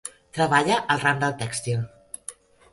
Treballa al ram del tèxtil.